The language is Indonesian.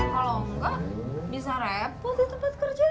kalau enggak bisa repot di tempat kerja